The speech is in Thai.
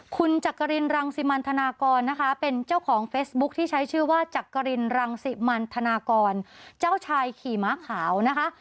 คุณจักรินรังสิมันธนากรนะคะเป็นเจ้าของเฟซบุ๊คที่ใช้ชื่อว่าจักรินรังสิมันธนากรเจ้าชายขี่ม้าขาวนะคะ